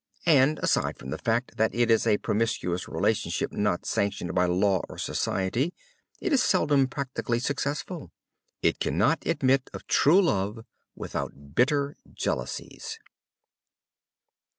And, aside from the fact that it is a promiscuous relationship not sanctioned by law or society, it is seldom practically successful. It cannot admit of true love without bitter jealousies.